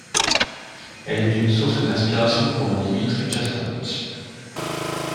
Elle est une source d'inspiration pour Dmitri Chostakovitch.